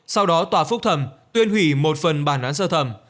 sau đó tòa phúc thẩm tuyên hủy một phần bản án sơ thẩm